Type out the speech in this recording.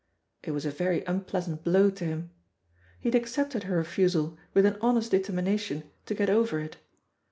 It was a very unpleasant blow to him. He had accepted her refusal with an honest determination to get over it.